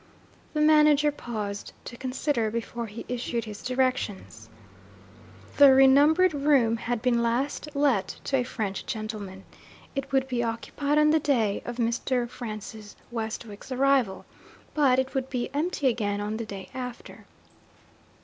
The manager paused to consider, before he issued his directions. The re numbered room had been last let to a French gentleman. It would be occupied on the day of Mr. Francis Westwick's arrival, but it would be empty again on the day after.